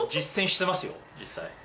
実際。